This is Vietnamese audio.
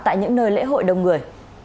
tại những nơi lễ hội đông người